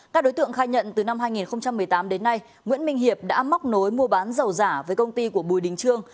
các đối tượng khai nhận từ năm hai nghìn một mươi tám đến nay nguyễn minh hiệp đã móc nối mua bán dầu giả với công ty của bùi đình trương